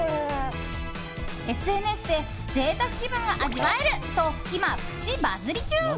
ＳＮＳで贅沢気分が味わえると今プチバズり中。